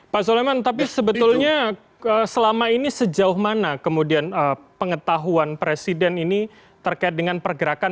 pak soleman tapi sebetulnya selama ini sejauh mana kemudian pengetahuan presiden ini terkait dengan pergerakan